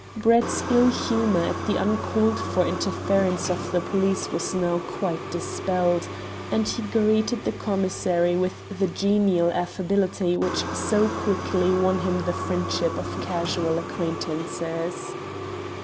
Brett's ill humour at the uncalled for interference of the police was now quite dispelled, and he greeted the commissary with the genial affability which so quickly won him the friendship of casual acquaintances.